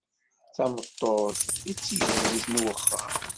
D tameṭṭut i tigejdit n uxxam.